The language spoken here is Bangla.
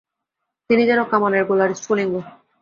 তিনি যেন কামানের গোলার স্ফুলিঙ্গ।